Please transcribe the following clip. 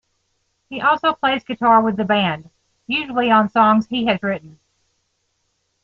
He also plays guitar with the band, usually on songs he has written.